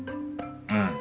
うん。